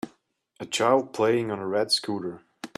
A child playing on a red scooter.